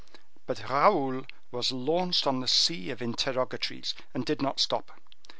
But Raoul was launched on the sea of interrogatories, and did not stop.